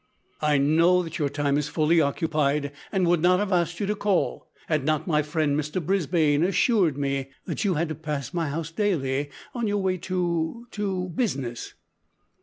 "I know that your time is fully occupied, and would not have asked you to call had not my friend Mr Brisbane assured me that you had to pass my house daily on your way to to business."